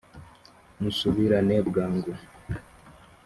musubirane bwangu